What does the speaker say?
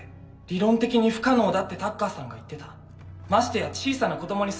「理論的に不可能だ」ってタッカーさんが言ってた「ましてや小さな子供に」